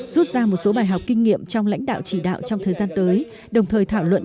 rút ra một số bài học kinh nghiệm trong lãnh đạo chỉ đạo trong thời gian tới đồng thời thảo luận